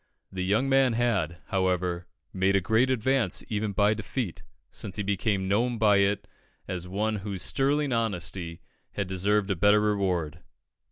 The young man had, however, made a great advance even by defeat, since he became known by it as one whose sterling honesty had deserved a better reward.